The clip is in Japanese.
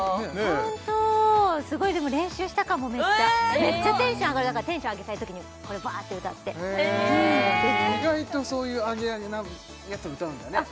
ホントすごいでも練習したかもめっちゃめっちゃテンション上がるだからテンション上げたい時にこれバーって歌ってへえ意外とそういうアゲアゲなやつ歌うんだねあっ